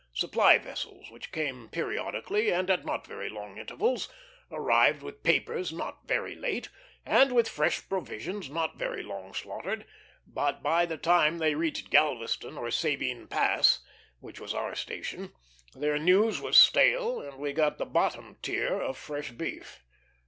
Supply vessels, which came periodically, and at not very long intervals, arrived with papers not very late, and with fresh provisions not very long slaughtered; but by the time they reached Galveston or Sabine Pass, which was our station, their news was stale, and we got the bottom tier of fresh beef.